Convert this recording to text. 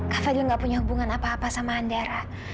kak fadil nggak punya hubungan apa apa sama anda